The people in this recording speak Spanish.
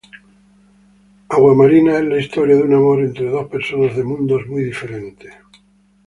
Aguamarina es la historia de un amor entre dos personas de mundos muy diferentes.